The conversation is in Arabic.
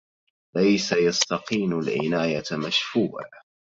ليس يستيقن العناية مشفوع